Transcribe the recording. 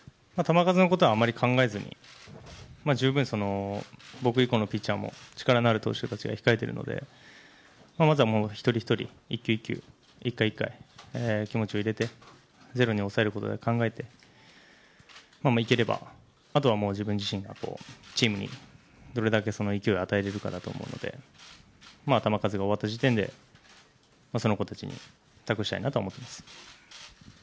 球数のことはあまり考えずに、十分僕以降のピッチャーも力のある投手たちが控えているのでまずは一人一人、一球一球一回一回気持ちを入れて、０に抑えることだけを考えていければあとは自分自身がチームにどれだけ勢いを与えられるかだと思うので、球数が終わった時点でその子たちに託したいなと思ってます。